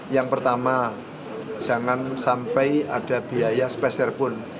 yang pertama jangan sampai ada biaya spesial pun